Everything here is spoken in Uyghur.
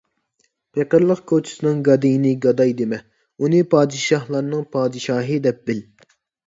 پېقىرلىق كوچىسىنىڭ گادىيىنى گاداي دېمە، ئۇنى پادىشاھلارنىڭ پادىشاھى دەپ بىل.